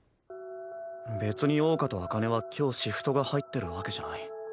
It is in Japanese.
別に桜花と紅葉は今日シフトが入ってるわけじゃない。